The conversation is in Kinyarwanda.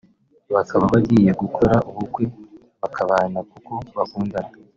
bakaba bagiye gukora ubukwe bakabana kuko bakundana